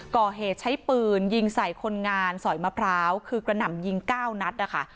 ก่อเหตุใช้ปืนยิงใส่คนงานสอยมะพร้าวคือกระหน่ำยิง๙นัดนะคะ